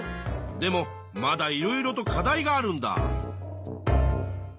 でもまだいろいろと課題があるんだ。